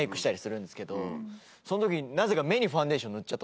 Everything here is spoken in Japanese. その時。